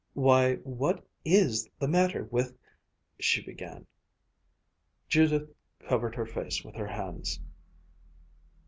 "Why, what is the matter with " she began. Judith covered her face with her hands.